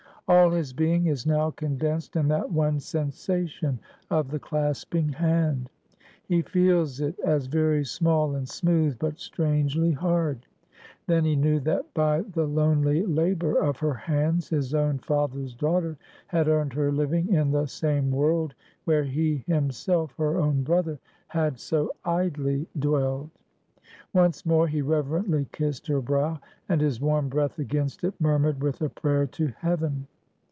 All his being is now condensed in that one sensation of the clasping hand. He feels it as very small and smooth, but strangely hard. Then he knew that by the lonely labor of her hands, his own father's daughter had earned her living in the same world, where he himself, her own brother, had so idly dwelled. Once more he reverently kissed her brow, and his warm breath against it murmured with a prayer to heaven.